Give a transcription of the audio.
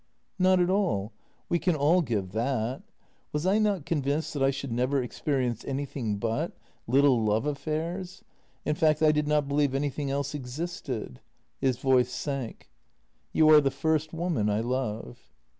" Not at all. We can all give that. Was I not convinced that I should never experience anything but — little love af fairs? In fact, I did not believe anything else existed." His voice sank. " You are the first woman I love."